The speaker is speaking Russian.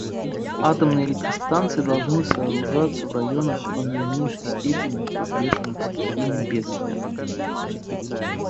Атомные электростанции должны сооружаться в районах, в наименьшей степени подверженных стихийным бедствиям.